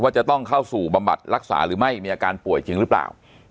จะต้องเข้าสู่บำบัดรักษาหรือไม่มีอาการป่วยจริงหรือเปล่า